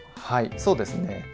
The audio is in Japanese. はいそうですね